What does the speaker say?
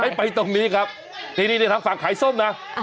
ให้ไปตรงนี้ครับนี่ทางฝั่งขายส้มนะ